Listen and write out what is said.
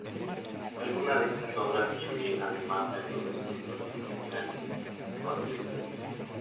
Algunas de estas obras incluyen, además, algunos cuentos doctrinales o "exempla".